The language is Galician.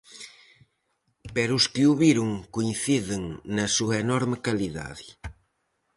Pero os que o viron coinciden na súa enorme calidade.